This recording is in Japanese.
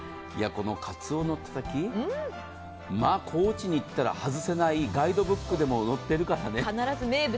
この鰹のたたき、高知に行ったら外せない、ガイドブックでも載ってるからね。